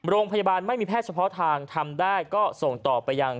โรงพยาบาลไม่มีแพทย์เฉพาะทางทำได้ก็ส่งต่อไปยัง